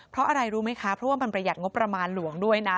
เพราะอะไรรู้ไหมคะเพราะว่ามันประหยัดงบประมาณหลวงด้วยนะ